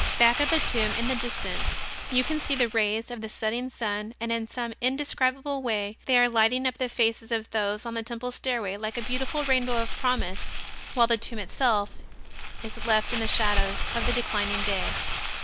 Back of the tomb in the distance you can see the rays of the setting sun and in some indescribable way they are lighting up the faces of those on the temple stairway like a beautiful rainbow of promise, while the tomb itself is left in the shadows of the declining day.